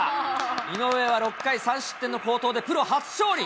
井上は６回３失点の好投でプロ初勝利。